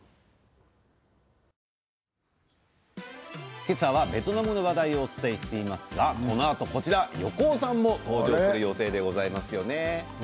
今朝はベトナムの話題をお伝えしていますがこのあと横尾さんも登場する予定でございます。